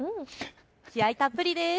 気合いたっぷりです。